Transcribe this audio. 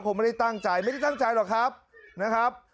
คงไม่ได้ตั้งใจไม่ได้ตั้งใจหรอกครับนะครับ